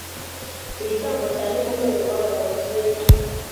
igitambo cya nimugoroba bavuza impanda,